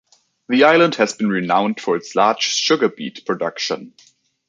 The island has been renowned for its large sugar beet production.